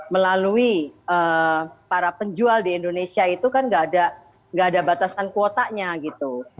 melalui para penjual di indonesia itu kan gak ada batasan kuotanya gitu